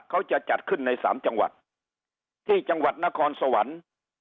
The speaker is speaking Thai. เขาจะจัดขึ้นในสามจังหวัดที่จังหวัดนครสวรรค์